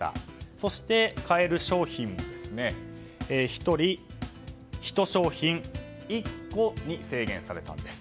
そして、買える商品は１人、１商品１個に制限されたんです。